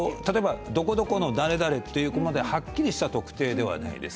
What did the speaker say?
どこどこの誰々というはっきりした特定ではないです。